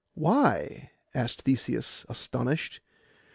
'Why?' asked Theseus, astonished.